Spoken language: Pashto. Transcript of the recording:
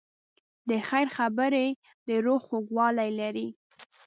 د خیر خبرې د روح خوږوالی لري.